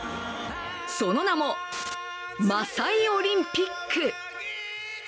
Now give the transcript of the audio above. その名もマサイ・オリンピック。